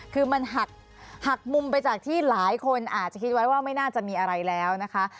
คือมันหักมุมไปจากที่หลายคนอาจจะคิดไว้ว่าไม่น่าจะมีอะไรแล้วนะคะ